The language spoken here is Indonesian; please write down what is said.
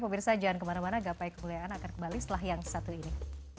pemirsa jangan kemana mana gapai kemuliaan akan kembali setelah yang satu ini